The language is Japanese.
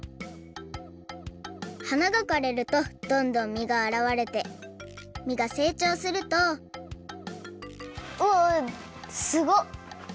花がかれるとどんどん実があらわれて実がせいちょうするとおすごっ！